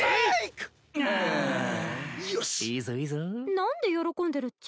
何で喜んでるっちゃ？